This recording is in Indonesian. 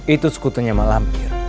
itu sekutunya malam